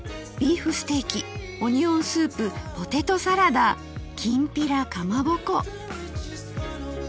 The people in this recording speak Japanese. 「ビーフステーキオニオンスープポテトサラダきんぴらかまぼこ」